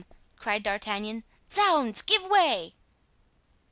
cried D'Artagnan. "Zounds! give way!"